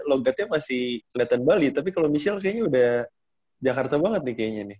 logatnya masih kelihatan bali tapi kalau michelle kayaknya udah jakarta banget nih kayaknya nih